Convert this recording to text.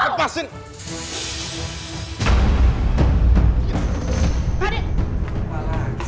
apa lagi sih